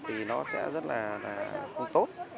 thì nó sẽ rất là không tốt